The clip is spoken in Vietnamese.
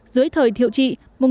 dưới thời thiệu trị